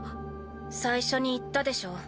最初に言ったでしょ